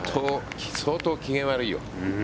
相当、機嫌悪いよ。